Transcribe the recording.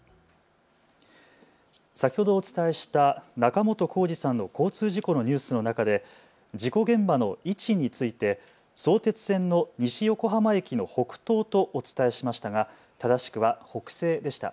先ほどお伝えした仲本工事さんの交通事故のニュースの中で事故現場の位置について相鉄線の西横浜駅の北東とお伝えしましたが正しくは北西でした。